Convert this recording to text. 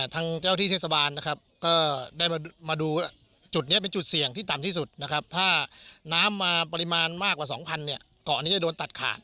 ทางเจ้าที่เทศบาลนะครับก็ได้มาดูจุดนี้เป็นจุดเสี่ยงที่ต่ำที่สุดนะครับถ้าน้ำมาปริมาณมากกว่า๒๐๐เนี่ยเกาะอันนี้จะโดนตัดขาด